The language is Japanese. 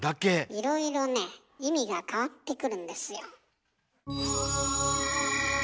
いろいろね意味が変わってくるんですよ。